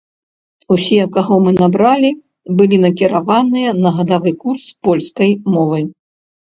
Усе, каго мы набралі, былі накіраваныя на гадавы курс польскай мовы.